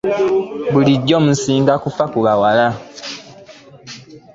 Bulijjo musinga kufa ku bawala.